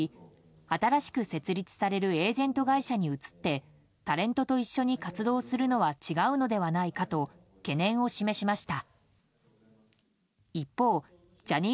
新しく設立されるエージェント会社に移ってタレントと一緒に活動するのは違うのではないかと懸念を示しました。